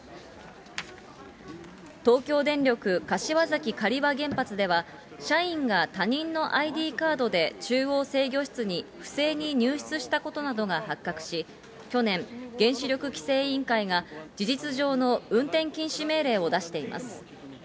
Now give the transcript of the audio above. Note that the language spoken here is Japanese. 東京電力柏崎刈羽原発では、社員が他人のＩＤカードで中央制御室に不正に入室したことなどが発覚し、去年、原子力規制委員会が事実上の運転禁止命令を出しています。